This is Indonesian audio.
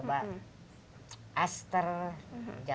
saya harus bekerja